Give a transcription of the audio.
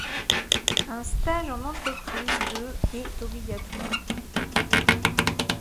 Un stage en entreprise de est obligatoire.